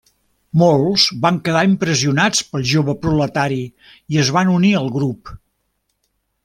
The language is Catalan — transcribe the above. Molts van quedar impressionats pel jove proletari i es van unir al grup.